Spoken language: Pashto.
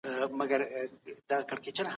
په مال کي له زکات پرته هم حق سته.